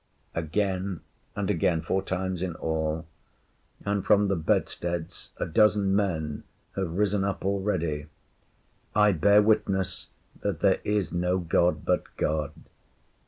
’ Again and again; four times in all; and from the bedsteads a dozen men have risen up already. ‘I bear witness that there is no God but God.